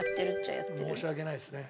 申し訳ないですね。